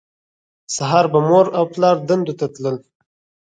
سهار به مور او پلار دندو ته تلل